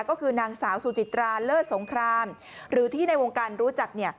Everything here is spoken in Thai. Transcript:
ก็คือนางสาวสุจิตราเลิศสงครามหรือที่ในวงการรู้จัก